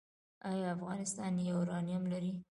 آیا افغانستان یورانیم لري؟